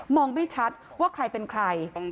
องไม่ชัดว่าใครเป็นใคร